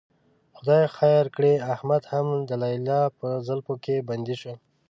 خدای خیر کړي، احمد هم د لیلا په زلفو کې بندي شو.